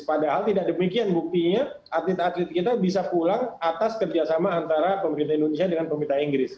padahal tidak demikian buktinya atlet atlet kita bisa pulang atas kerjasama antara pemerintah indonesia dengan pemerintah inggris